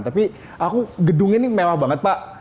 tapi aku gedungnya nih mewah banget pak